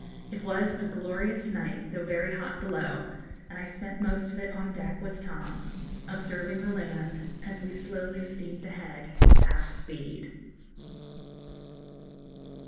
It was a glorious night, though very hot below, and I spent most of it on deck with Tom, observing the land as we slowly steamed ahead half speed.